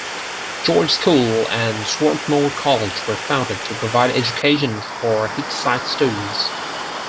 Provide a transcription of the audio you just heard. George School and Swarthmore College were founded to provide education for Hicksite students.